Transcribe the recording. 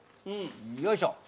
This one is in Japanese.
よいしょ。